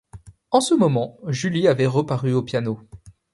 En ce moment, Julie avait reparu au piano.